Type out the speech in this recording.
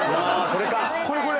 これこれ！